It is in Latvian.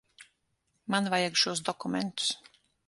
Man vajag šos dokumentus.